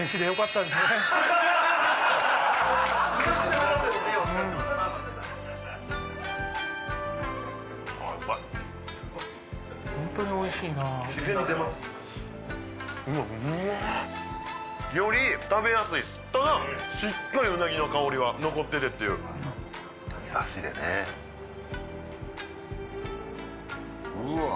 ただしっとりうなぎの香りは残っててっていううわ